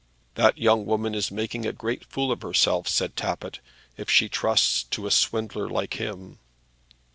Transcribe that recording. "That young woman is making a great fool of herself," said Tappitt, "if she trusts to a swindler like him."